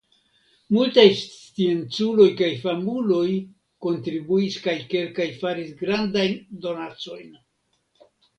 Multaj scienculoj kaj famuloj kontribuis kaj kelkaj faris grandajn donacojn.